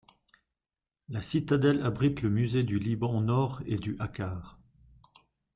La citadelle abrite le Musée du Liban Nord & du Akkar.